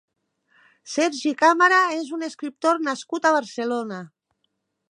Sergi Càmara és un escriptor nascut a Barcelona.